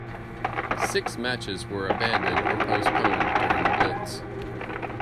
Six matches were abandoned or postponed during the Blitz.